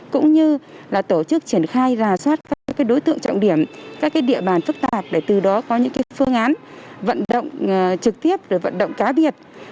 cũng như là tổ chức triển khai rà soát các đối tượng trọng điểm các địa bàn phức tạp để từ đó có những phương án vận động trực tiếp rồi vận động cá biệt